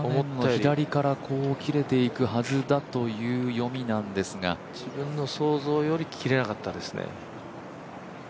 左から切れていくはずという読みなんですが自分の想像より切れなかったですね。